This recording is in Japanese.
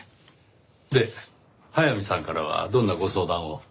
で速水さんからはどんなご相談を？